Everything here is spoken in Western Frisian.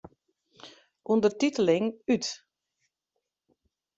Undertiteling út.